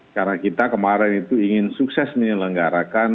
karena kita kemarin itu ingin sukses melenggarakan